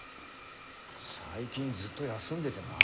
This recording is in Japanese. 最近ずっと休んでてな。